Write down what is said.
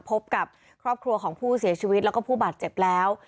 พบกับครอบครัวของผู้เสียชีวิตแล้วก็ผู้บาดเจ็บแล้ว